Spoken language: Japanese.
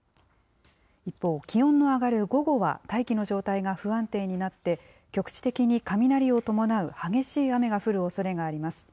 一方、気温の上がる午後は、大気の状態が不安定になって、局地的に雷を伴う激しい雨が降るおそれがあります。